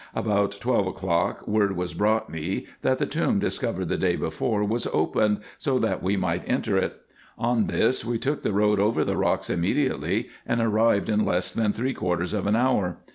About twelve o'clock word was brought me, that the tomb discovered the day before was opened, so that we might enter it. On this we took the road over the rocks immediately, and arrived in less than three quarters of an hour.